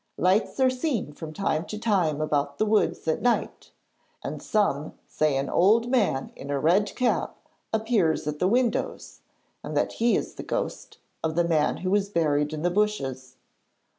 Lights are seen from time to time about the wood at night, and some say an old man in a red cap appears at the windows and that he is the ghost of the man who was buried in the bushes.